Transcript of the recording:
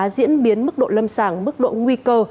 diễn biến mức độ lâm sàng mức độ nguy cơ